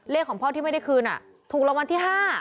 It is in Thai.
ของพ่อที่ไม่ได้คืนถูกรางวัลที่๕